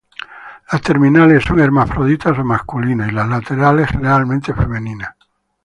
Las terminales son hermafroditas o masculinas y las laterales generalmente femeninas.